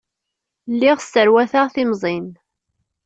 Lliɣ sserwateɣ timẓin.